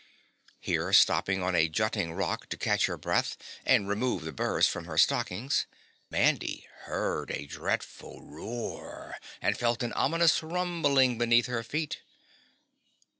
Here, stopping on a jutting rock to catch her breath and remove the burrs from her stockings, Mandy heard a dreadful roar and felt an ominous rumbling beneath her feet.